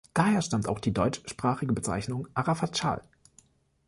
Daher stammt auch die deutschsprachige Bezeichnung "Arafat-Schal".